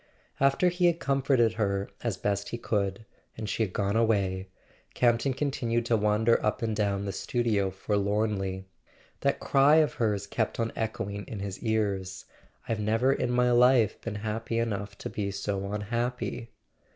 After he had comforted her as best he could, and she had gone away, Campton continued to wander up and down the studio forlornly. That cry of hers kept on echoing in his ears: "I've never in my life been happy enough to be so unhappy!"